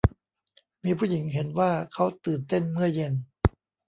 มีผู้หญิงเห็นว่าเค้าตื่นเต้นเมื่อเย็น